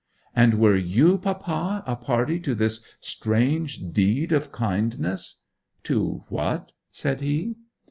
'And were you, papa, a party to this strange deed of kindness?' 'To what?' said he.